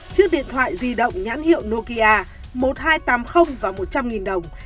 chiếc điện thoại di động nhãn hiệu nokia một nghìn hai trăm tám mươi và một trăm linh đồng